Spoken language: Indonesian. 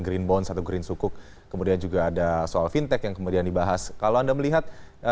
green bond satu green sukuk kemudian juga ada soal fintech yang kemudian dibahas kalau anda melihat